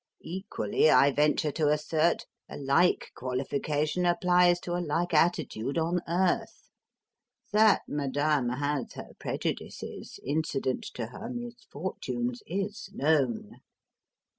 Equally, I venture to assert, a like qualification applies to a like attitude on earth. That Madame has her prejudices, incident to her misfortunes, is known."